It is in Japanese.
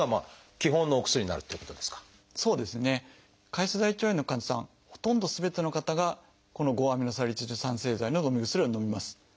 潰瘍性大腸炎の患者さんほとんどすべての方がこの５−アミノサリチル酸製剤ののみ薬をのみます。